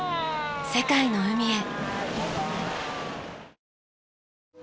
世界の海へ！